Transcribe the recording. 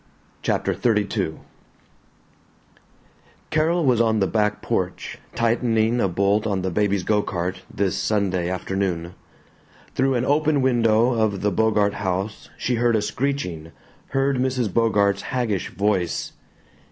CHAPTER XXXII I CAROL was on the back porch, tightening a bolt on the baby's go cart, this Sunday afternoon. Through an open window of the Bogart house she heard a screeching, heard Mrs. Bogart's haggish voice